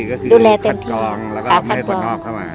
ก็คือดูแลเต็มที่ค่ะคัดกรองค่ะคัดกรองแล้วก็ไม่ให้คนนอกเข้ามา